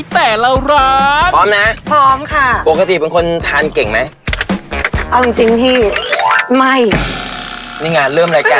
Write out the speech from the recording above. เพราะว่าหนูจะไม่ยอมให้อยู่ริสสุดคราศ